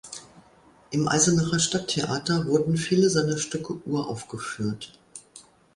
Im Eisenacher Stadttheater wurden viele seiner Stücke uraufgeführt.